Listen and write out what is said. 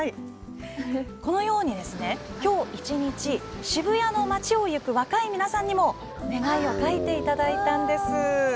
このように、きょう一日渋谷の街を行く若い皆さんにも願いを書いていただいたんです。